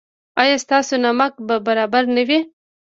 ایا ستاسو نمک به برابر نه وي؟